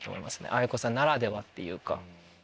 ａｉｋｏさんならではっていうか。